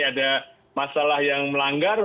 ada masalah yang melanggar